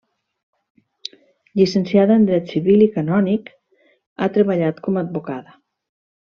Llicenciada en Dret Civil i Canònic, ha treballat com advocada.